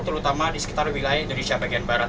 terutama di sekitar wilayah indonesia bagian barat